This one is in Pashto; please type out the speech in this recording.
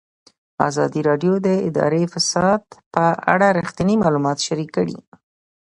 ازادي راډیو د اداري فساد په اړه رښتیني معلومات شریک کړي.